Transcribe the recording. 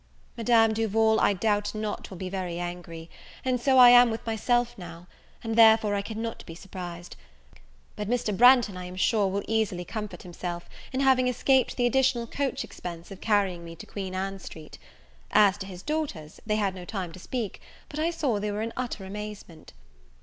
Madame Duval, I doubt not, will be very angry; and so I am with myself now, and therefore I cannot be surprised: but Mr. Branghton, I am sure, will easily comfort himself, in having escaped the additional coach expense of carrying me to Queen Ann Street; as to his daughters, they had no time to speak; but I saw they were in utter amazement.